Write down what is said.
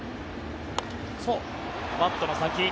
バットの先。